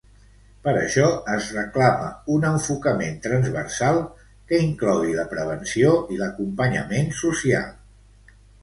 Per això, es reclama un enfocament transversal que inclogui la prevenció i l'acompanyament social.